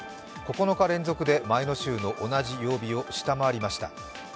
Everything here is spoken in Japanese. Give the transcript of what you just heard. ９日連続で前の週の同じ曜日を下回りました。